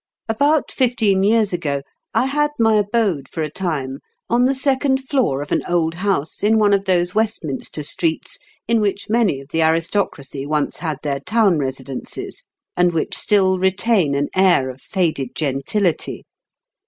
About fifteen years ago, I had my abode, for a time, on the second floor of an old house in one of those West minster streets in which many of the aristocracy once had their town residences, and which still retain an air of faded gentility.